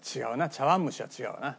茶碗蒸しは違うな。